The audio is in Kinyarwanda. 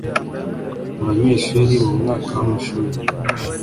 Abanyeshuri mu mwaka w amashuri